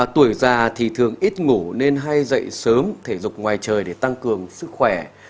tuổi già thì thường ít ngủ nên hay dậy sớm thể dục ngoài trời để tăng cường sức khỏe